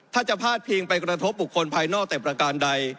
ถ้าจะพาดพิงไปกระทบบุคคลภายนอกแต่ประการใด